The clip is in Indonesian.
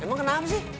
emang kenapa sih